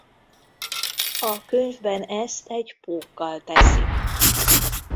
A könyvben ezt egy pókkal teszi.